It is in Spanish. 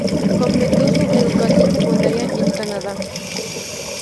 Completó su educación secundaria en Canadá.